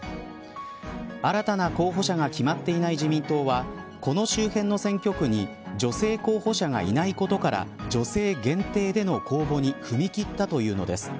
新たな候補者が決まっていない自民党はこの周辺の選挙区に女性候補者がいないことから女性限定での公募に踏み切ったというのです。